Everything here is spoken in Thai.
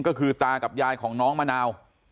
ก็คือตากับยายของน้องมะนาว